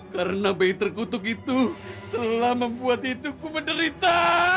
karena bayi terkutuk itu telah membuat hidupku menderita